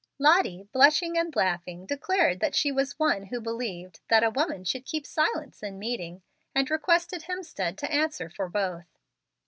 Lottie, blushing and laughing, declared that she was one who believed "that a woman should keep silence in meeting," and requested Hemstead to answer for both.